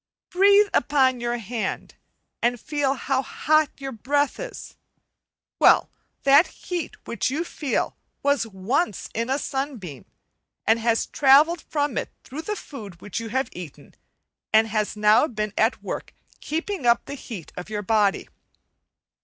Breathe upon your hand, and feel how hot your breath is; well, that heat which you feel, was once in a sunbeam, and has travelled from it through the food you have eaten, and has now been at work keeping up the heat of your body.